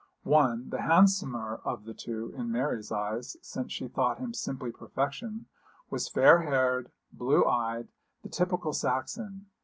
One, the handsomer of the two in Mary's eyes, since she thought him simply perfection, was fair haired, blue eyed, the typical Saxon.